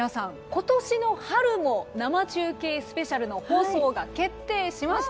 今年の春も生中継スペシャルの放送が決定しました。